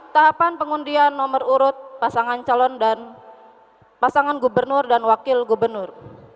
tahapan pengundian nomor urut pasangan calon dan pasangan gubernur dan wakil gubernur